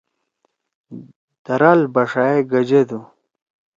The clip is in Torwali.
درال بݜا ئے گژدُو۔